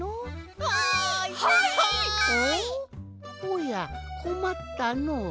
おやこまったのう。